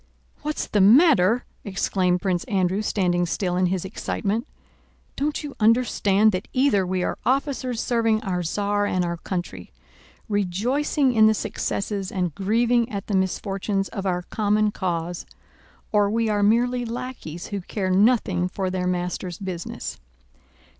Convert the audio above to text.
"What's the matter?" exclaimed Prince Andrew standing still in his excitement. "Don't you understand that either we are officers serving our Tsar and our country, rejoicing in the successes and grieving at the misfortunes of our common cause, or we are merely lackeys who care nothing for their master's business.